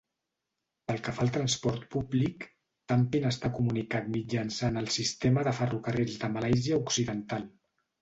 Pel que fa al transport públic, Tampin està comunicat mitjançant el sistema de ferrocarrils de Malàisia Occidental.